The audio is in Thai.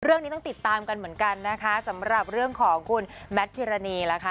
เรื่องนี้ต้องติดตามกันเหมือนกันนะคะสำหรับเรื่องของคุณแมทพิรณีล่ะค่ะ